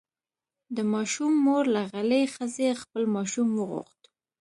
د ماشوم مور له غلې ښځې خپل ماشوم وغوښت.